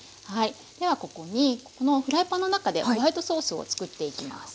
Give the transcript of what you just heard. ではここにこのフライパンの中でホワイトソースを作っていきます。